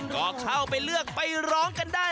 ก็เข้าไปเลือกไปร้องกันได้